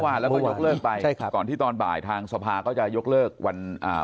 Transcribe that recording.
แล้วก็ยกเลิกไปใช่ครับก่อนที่ตอนบ่ายทางสภาก็จะยกเลิกวันอ่า